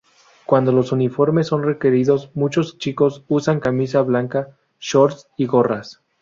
Cuando los uniformes son requeridos, muchos chicos usan camisa blanca, shorts y gorras.